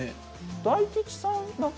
大吉さん